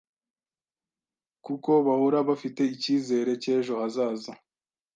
kuko bahora bafite icyizere cy’ejo hazaza